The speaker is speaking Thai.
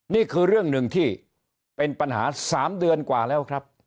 นี่คือเรื่องหนึ่งที่เป็นปัญหา๓เดือนกว่าแล้วครับ